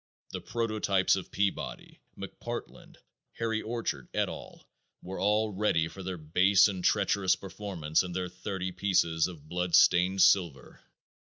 The prototypes of Peabody, McPartland, Harry Orchard, et. al., were all ready for their base and treacherous performance and their thirty pieces of blood stained silver.